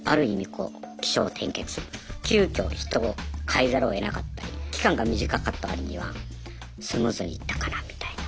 こう起承転結急きょ人をかえざるをえなかったり期間が短かった割にはスムーズにいったかなみたいな。